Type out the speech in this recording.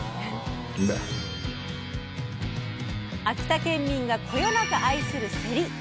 秋田県民がこよなく愛するせり。